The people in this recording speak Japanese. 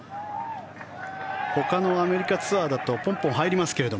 ほかのアメリカツアーだとポンポン入りますけれど。